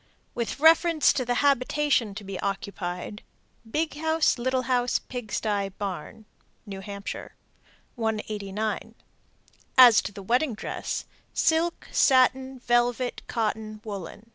With reference to the habitation to be occupied: Big house, little house, pig sty, barn. New Hampshire. 189. As to the wedding dress: Silk, satin, velvet, cotton, woolen.